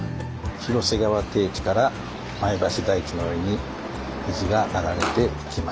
広瀬川低地から前橋台地の上に水が流れていきました。